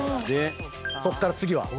そっから次は？